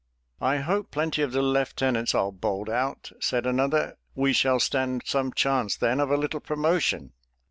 "I hope plenty of the lieutenants are bowled out!" said another; "we shall stand some chance then of a little promotion!"